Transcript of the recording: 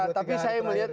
tapi saya melihat